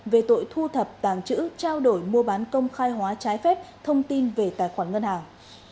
về tội thu thập tàng chữ trao đổi mua bán công khai hóa trái phép thông tin về tài khoản ngân hàng